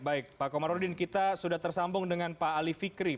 baik pak komarudin kita sudah tersambung dengan pak ali fikri